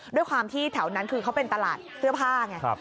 ด้วยความที่แถวนั้นคือเขาเป็นตลาดเสื้อผ้าไง